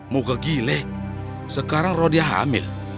muka gile sekarang rodia hamil